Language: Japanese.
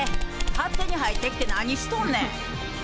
勝手に入ってきて何しとんねん！